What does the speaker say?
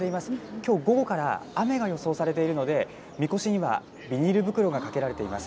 きょう午後から雨が予想されているので、みこしにはビニール袋がかけられています。